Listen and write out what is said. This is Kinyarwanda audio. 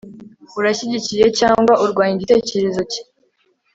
urashyigikiye cyangwa urwanya igitekerezo cye